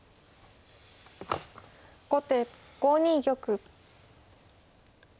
後手５二玉。